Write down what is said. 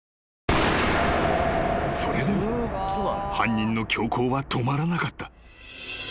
［それでも犯人の凶行は止まらなかった］